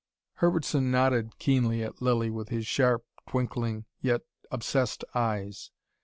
Herbertson nodded keenly at Lilly, with his sharp, twinkling, yet obsessed eyes.